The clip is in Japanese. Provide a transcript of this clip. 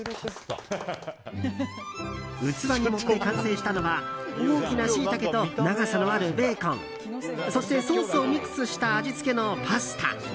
器に盛って完成したのは大きなシイタケと長さのあるベーコンそしてソースをミックスした味付けのパスタ。